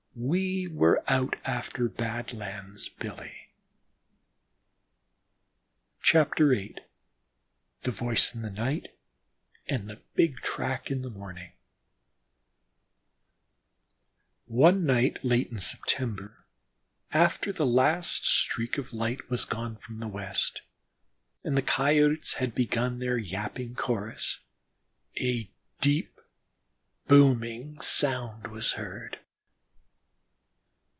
We were out after Badlands Billy. VIII THE VOICE IN THE NIGHT AND THE BIG TRACK IN THE MORNING One night late in September after the last streak of light was gone from the west and the Coyotes had begun their yapping chorus, a deep, booming sound was heard.